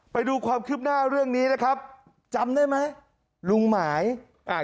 ไปดูความคืบหน้าเรื่องนี้นะครับจำได้ไหมลุงหมายอ่า